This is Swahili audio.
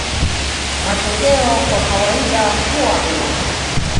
Matokeo kwa kawaida huwa mema.